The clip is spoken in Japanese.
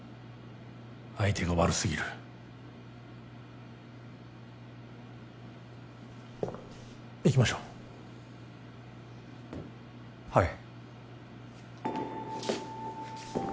相手が悪すぎる行きましょうはい